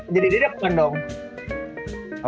jadi didek kan dong